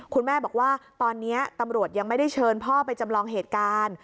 คุณแม่บอกว่าตอนนี้ตำรวจยังไม่ได้เชิญพ่อไปจำลองเหตุการณ์